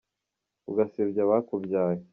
ugasebya abakubyaye.